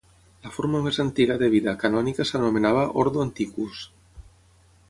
La forma més antiga de vida canònica s'anomenava "Ordo Antiquus".